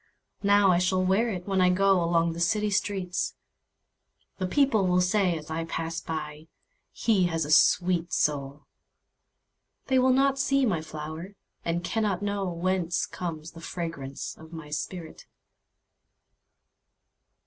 Now I shall wear itWhen I goAlong the city streets:The people will sayAs I pass by—"He has a sweet soul!"They will not see my flower, And cannot knowWhence comes the fragrance of my spirit!